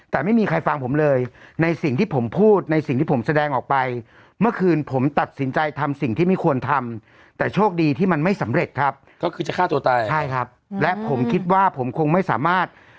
แต่โชคดีที่มันไม่สำเร็จครับก็คือจะฆ่าตัวตายใช่ครับและผมคิดว่าผมคงไม่สามารถ